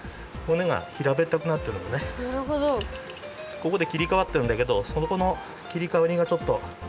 ここできりかわってるんだけどそこのきりかわりがちょっとむずかしいかな。